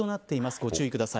ご注意ください。